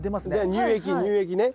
乳液乳液ね。